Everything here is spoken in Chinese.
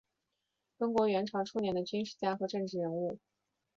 中国元朝初年的军事家和政治人物。